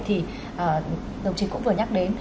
thì đồng chí cũng vừa nhắc đến